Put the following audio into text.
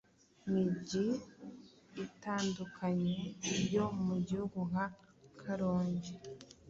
migi itandukanye yo mu Gihugu nka Karongi,